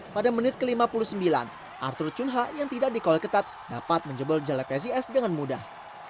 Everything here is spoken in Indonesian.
pada menit ke lima puluh sembilan arthur cunha yang tidak dikawal ketat dapat menjebol jale psis dengan mudah